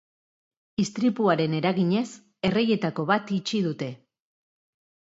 Istripuaren eraginez, erreietako bat itxi dute.